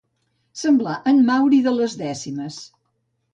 Semblar en Mauri de les dècimes.